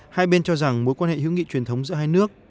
hai bên cho rằng mối quan hệ hữu nghị truyền thống giữa hai nước